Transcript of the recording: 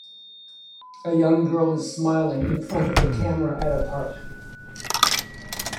A young girl is smiling in front of the camera at a park